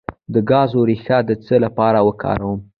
د ګازرې ریښه د څه لپاره وکاروم؟